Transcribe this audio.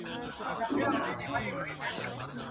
دوې کښتۍ مي وې نجات ته درلېږلي !.